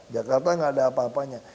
jakarta nggak ada apa apanya